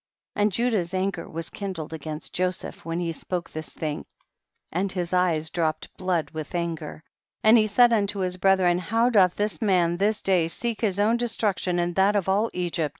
63. And Judah's anger was kin dled against Joseph when he spoke this thing, and his eyes dropped blood with anger, and he said unto his brethren, how doth this man this day seek his own destruction and that of all Egypt